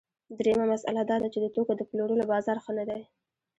درېیمه مسئله دا ده چې د توکو د پلورلو بازار ښه نه دی